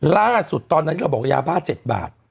ล่าสุดตอนนั้นก็บอกยาบ้า๗บาท